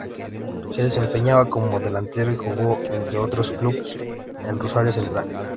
Se desempeñaba como delantero y jugó, entre otros clubes, en Rosario Central.